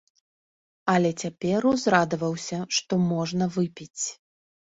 Але цяпер узрадаваўся, што можна выпіць.